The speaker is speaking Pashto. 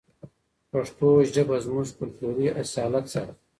پښتو ژبه زموږ کلتوري اصالت ساتي.